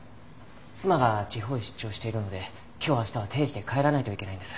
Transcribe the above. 妻が地方へ出張しているので今日明日は定時で帰らないといけないんです。